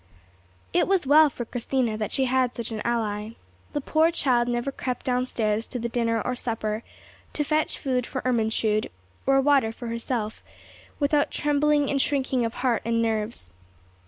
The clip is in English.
It was well for Christina that she had such an ally. The poor child never crept down stairs to the dinner or supper, to fetch food for Ermentrude, or water for herself, without a trembling and shrinking of heart and nerves.